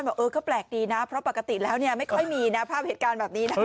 บอกเออก็แปลกดีนะเพราะปกติแล้วเนี่ยไม่ค่อยมีนะภาพเหตุการณ์แบบนี้นะ